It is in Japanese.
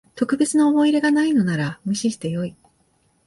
特別な思い入れがないのなら無視してよい